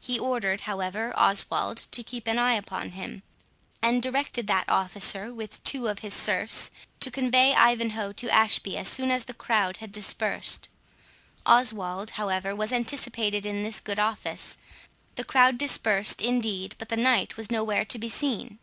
He ordered, however, Oswald to keep an eye upon him; and directed that officer, with two of his serfs, to convey Ivanhoe to Ashby as soon as the crowd had dispersed. Oswald, however, was anticipated in this good office. The crowd dispersed, indeed, but the knight was nowhere to be seen.